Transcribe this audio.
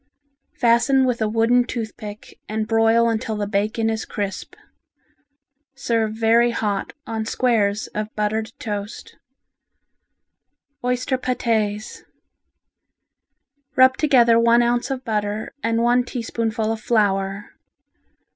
Fasten with a wooden tooth pick and broil until the bacon is crisp. Serve very hot on squares of buttered toast. Oyster Patés Rub together one ounce of butter and one teaspoonful of flour.